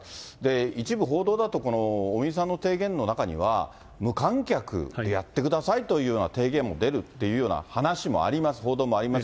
一部報道だと、この尾身さんの提言の中には、無観客でやってくださいというような提言も出るっていうような話もあります、報道もあります。